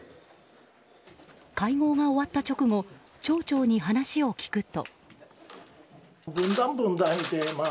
会合が終わった直後町長に話を聞くと。